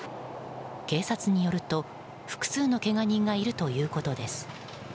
警察によると、複数のけが人がいるということです。